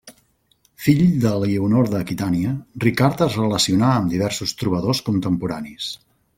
Fill d'Elionor d'Aquitània, Ricard es relacionà amb diversos trobadors contemporanis.